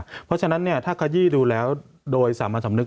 เพราะฉะนั้นถ้าขยี้ดูแล้วโดยสามัญสำนึก